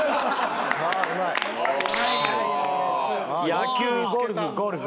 「野球」「ゴルフ」「ゴルフ」。